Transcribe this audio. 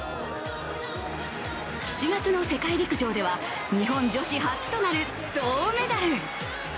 ７月の世界陸上では、日本女子初となる銅メダル。